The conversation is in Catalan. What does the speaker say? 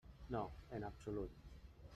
No, en absolut.